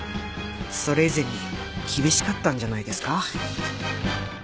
それ以前に厳しかったんじゃないですか？